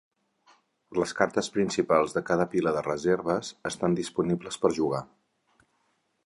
Les cartes principals de cada pila de reserves estan disponibles per jugar.